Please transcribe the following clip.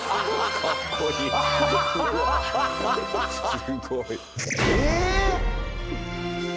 すごい。え！